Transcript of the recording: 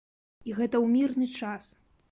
І гэта ў мірны час!